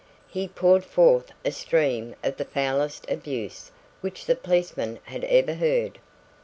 He poured forth a stream of the foulest abuse which the policeman had ever heard.